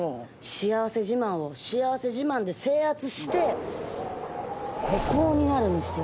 幸せ自慢を幸せ自慢で制圧して孤高になるんですよ。